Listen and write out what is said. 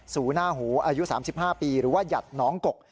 สู่หน้าหูอายุ๓๕ปีหรือว่าหยัดน้องกก